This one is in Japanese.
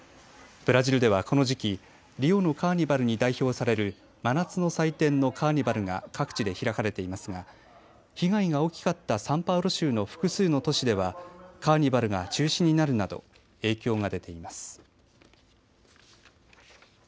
ブラジルではこの時期、リオのカーニバルに代表される真夏の祭典のカーニバルが各地で開かれていますが被害が大きかったサンパウロ州の複数の都市ではカーニバルが中止になるなど影響が出ています。